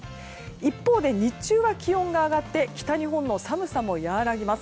一方で日中は気温が上がって北日本の寒さも和らぎます。